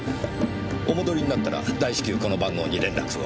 お戻りになったら大至急この番号に連絡を。